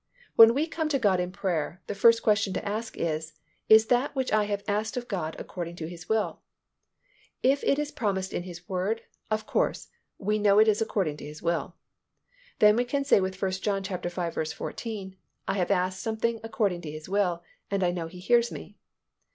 When we come to God in prayer, the first question to ask is, Is that which I have asked of God according to His will? If it is promised in His Word, of course, we know it is according to His will. Then we can say with 1 John v. 14, I have asked something according to His will and I know He hears me.